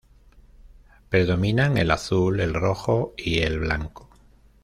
Predominan el azul, el rojo y el blanco.